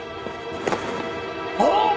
あっ！！